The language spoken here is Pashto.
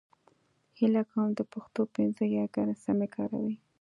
هيله کوم د پښتو پنځه يېګانې سمې کاروئ !